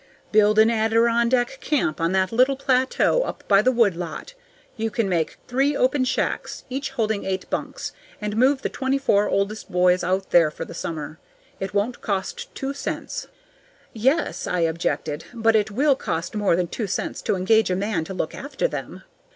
"Build an Adirondack camp on that little plateau up by the wood lot. You can make three open shacks, each holding eight bunks, and move the twenty four oldest boys out there for the summer. It won't cost two cents." "Yes," I objected, "but it will cost more than two cents to engage a man to look after them."